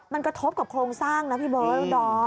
มันกระทบกับโครงสร้างนะพี่เบิร์ดดอม